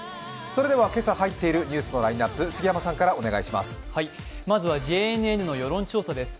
それでは今朝入っているニュースのラインナップ、杉山さんからお願いします。